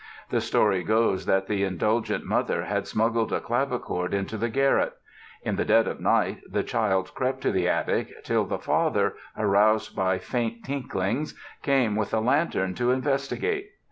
The story goes that the indulgent mother had smuggled a clavichord into the garret. In the dead of night the child crept to the attic till the father, aroused by faint tinklings, came with a lantern to investigate.